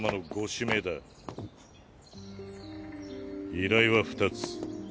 依頼は２つ。